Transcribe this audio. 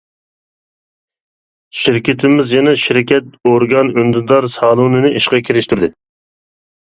شىركىتىمىز يەنە شىركەت ئورگان ئۈندىدار سالونىنى ئىشقا كىرىشتۈردى.